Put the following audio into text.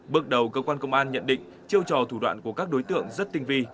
bước đầu cơ quan công an nhận định chiêu trò thủ đoạn của các đối tượng rất tinh vi